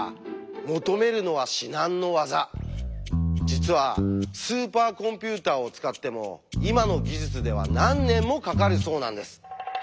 実はスーパーコンピューターを使っても今の技術では何年もかかるそうなんです。